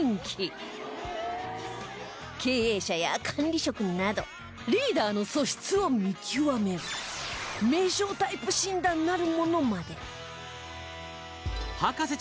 経営者や管理職などリーダーの素質を見極める名将タイプ診断なるものまで